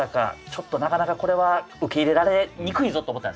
ちょっとなかなかこれは受け入れられにくいぞと思ったんですよ。